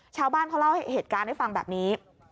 ชาวบ้านเขาเล่าเหตุการณ์ให้ฟังแบบนี้